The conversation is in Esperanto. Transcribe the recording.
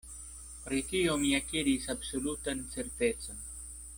Pri tio mi akiris absolutan certecon.